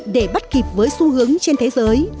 để bắt kịp với xu hướng trên thế giới